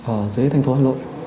ở dưới thành phố hà nội